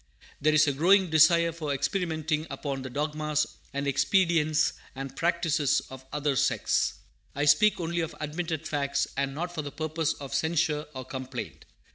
There is a growing desire for experimenting upon the dogmas and expedients and practices of other sects. I speak only of admitted facts, and not for the purpose of censure or complaint.